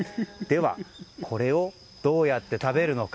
これをどうやって食べるのか。